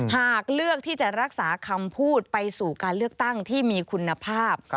หากเลือกที่จะรักษาคำพูดไปสู่การเลือกตั้งที่มีคุณภาพ